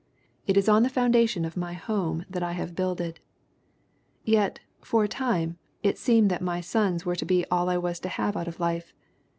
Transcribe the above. It is on the foundation of my home that I have builded. "Yet, for a time, it seemed that my sons were to be all I was to have out of life.